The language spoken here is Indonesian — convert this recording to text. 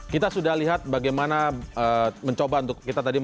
kita sudah lihat bagaimana mencoba untuk kita tadi